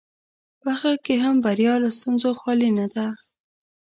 په هغه کې هم بریا له ستونزو خالي نه ده.